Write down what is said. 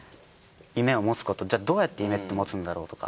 夢を持つことじゃあどうやって夢って持つんだろうとか。